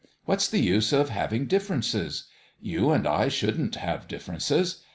What's the use of having differences? You and I shouldn't have differences.